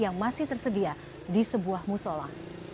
yang masih tersedia di sebuah musola